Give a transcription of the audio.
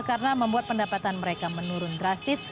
karena membuat pendapatan mereka menurun drastis